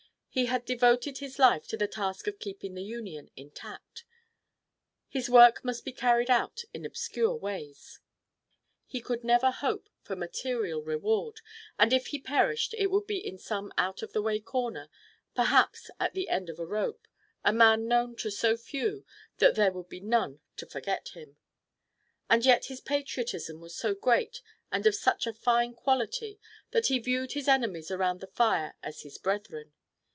He had devoted his life to the task of keeping the Union intact. His work must be carried out in obscure ways. He could never hope for material reward, and if he perished it would be in some out of the way corner, perhaps at the end of a rope, a man known to so few that there would be none to forget him. And yet his patriotism was so great and of such a fine quality that he viewed his enemies around the fire as his brethren.